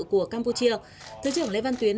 của campuchia thứ trưởng lê văn tuyến